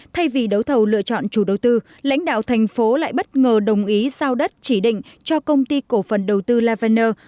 thay vì đấu thầu lựa chọn chủ đầu tư lãnh đạo thành phố lại bất ngờ đồng ý giao đất chỉ định cho công ty cổ phần đầu tư levener